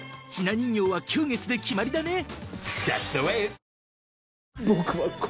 ひな人形は久月で決まりだね。